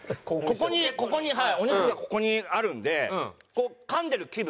ここにここにお肉がここにあるんでこう噛んでる気分？